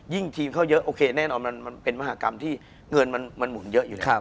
ทีมเขาเยอะโอเคแน่นอนมันเป็นมหากรรมที่เงินมันหมุนเยอะอยู่แล้ว